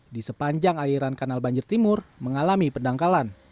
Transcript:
di sepanjang airan kanal banjir timur mengalami penangkalan